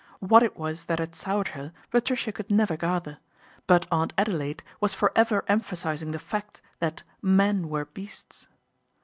What it was that had soured her Patricia could never gather ; but Aunt Adelaide was for ever emphasizing the fact that men were beasts.